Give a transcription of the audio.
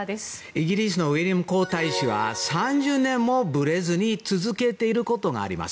イギリスのウィリアム皇太子は３０年もぶれずに続けていることがあります。